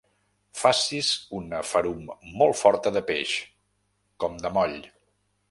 Facis una ferum molt forta de peix, com de moll.